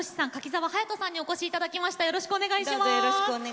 柿澤勇人さんにお越しいただきました。